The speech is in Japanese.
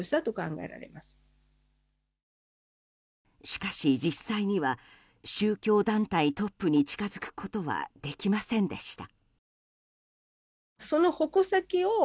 しかし、実際には宗教団体トップに近づくことはできませんでした。